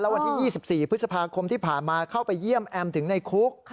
วันที่๒๔พฤษภาคมที่ผ่านมาเข้าไปเยี่ยมแอมถึงในคุก